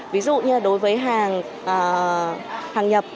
ví dụ như đối với hàng nhập